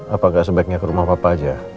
apa gak sebaiknya ke rumah papa aja